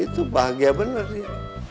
itu bahagia bener ya